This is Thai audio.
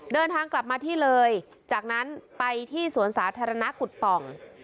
เดินทางกลับมาที่เลยจากนั้นไปที่สวนสาธารณะกุฎป่อง